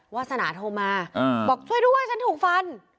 วาสนาโทรมาบอกช่วยด้วยฉันถูกฟัน